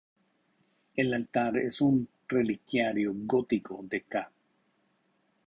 El altar es un relicario gótico de ca.